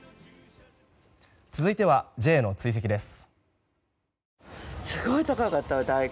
続いてはＪの追跡です。